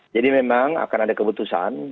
jadi memang akan ada keputusan